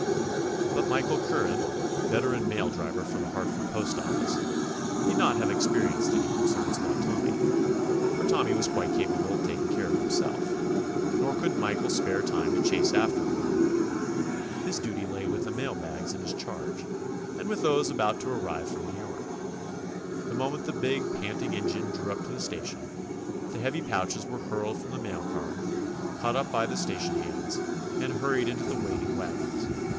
But Michael Curran, veteran mail driver for the Hartford postoffice, need not have experienced any con 76 TOMMY POSTOFFICE cern about Tommy, for Tommy was quite capable of taking care of him Tommy was going somewhere and going in a hurry. self; nor could Michael spare time to chase after the runaway. His duty 77 THE ADVENTURES OF lay with the mail bags in his charge, and with those about to arrive from New York. The moment the big panting engine drew up to the station, the heavy pouches were hurled from the mail car, caught up by the station hands, and hurried into the waiting wagons.